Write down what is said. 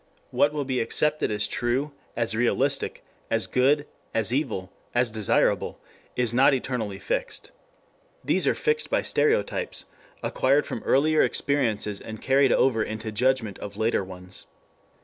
What will be accepted as true, as realistic, as good, as evil, as desirable, is not eternally fixed. These are fixed by stereotypes, acquired from earlier experiences and carried over into judgment of later ones.